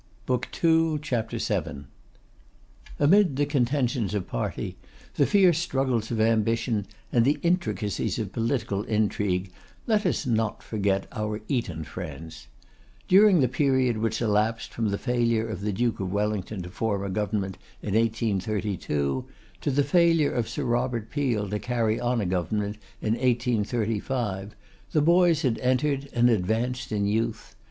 Amid the contentions of party, the fierce struggles of ambition, and the intricacies of political intrigue, let us not forget our Eton friends. During the period which elapsed from the failure of the Duke of Wellington to form a government in 1832, to the failure of Sir Robert Peel to carry on a government in 1835, the boys had entered, and advanced in youth.